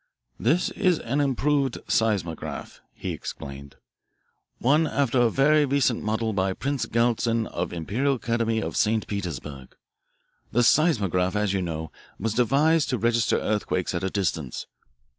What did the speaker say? "This is an improved seismograph," he explained, "one after a very recent model by Prince Galitzin of the Imperial Academy of St. Petersburg. The seismograph, as you know, was devised to register earthquakes at a distance.